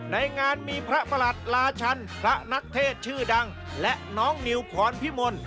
ในงานมีพระประหลัดราชันพระนักเทศชื่อดังและน้องนิวขอนพิมล